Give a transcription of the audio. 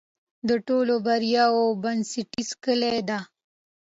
د ټولو بریاوو بنسټیزه کلي ده.